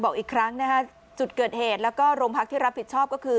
บอกอีกครั้งนะฮะจุดเกิดเหตุแล้วก็โรงพักที่รับผิดชอบก็คือ